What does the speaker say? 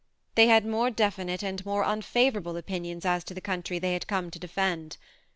They had more definite and more unfavour THE MARNE 85 able opinions as to the country they had come to defend.